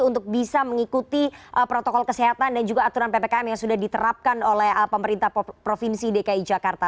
untuk bisa mengikuti protokol kesehatan dan juga aturan ppkm yang sudah diterapkan oleh pemerintah provinsi dki jakarta